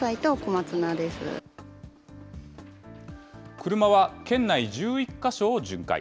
車は県内１１か所を巡回。